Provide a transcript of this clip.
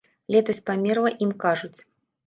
Летась памерла, ім кажуць.